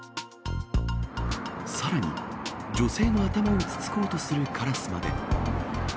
さらに女性の頭をつつこうとするカラスまで。